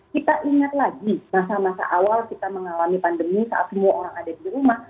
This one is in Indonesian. kita ingat lagi masa masa awal kita mengalami pandemi saat semua orang ada di rumah